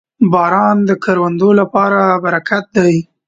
• باران د کروندو لپاره برکت دی.